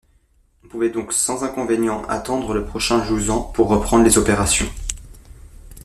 On pouvait donc sans inconvénient attendre le prochain jusant pour reprendre les opérations.